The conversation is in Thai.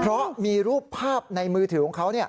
เพราะมีรูปภาพในมือถือของเขา